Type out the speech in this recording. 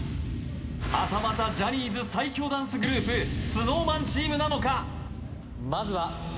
はたまたジャニーズ最強ダンスグループＳｎｏｗＭａｎチームなのか？